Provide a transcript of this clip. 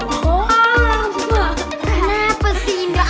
kenapa sih indra